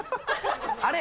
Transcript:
「あれ？